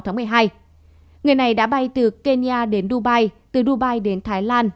ngày này đã bay từ kenya đến dubai từ dubai đến thái lan